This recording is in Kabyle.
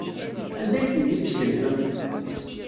Anda ay tent-id-teskenfemt?